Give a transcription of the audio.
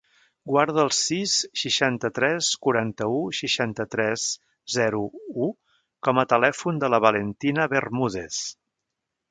Guarda el sis, seixanta-tres, quaranta-u, seixanta-tres, zero, u com a telèfon de la Valentina Bermudez.